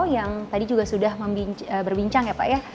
yang tadi juga sudah berbincang ya pak ya